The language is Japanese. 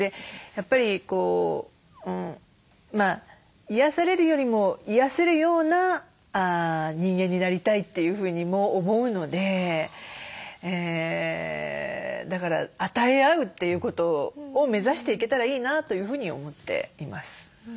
やっぱり癒やされるよりも癒やせるような人間になりたいというふうにも思うのでだから与え合うっていうことを目指していけたらいいなというふうに思っています。